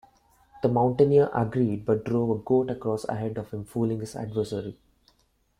The mountaineer agreed, but drove a goat across ahead of him, fooling his adversary.